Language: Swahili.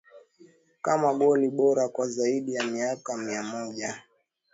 Kama goli bora kwa Zaidi ya miaka mia moja